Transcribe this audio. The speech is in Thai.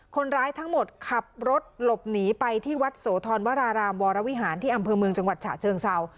คนร้ายทั้งหมดขับรถหลบหนีไปที่วัดโสธรวรารามวรวิหารที่อำเภอเมืองจังหวัดฉะเชิงเศร้า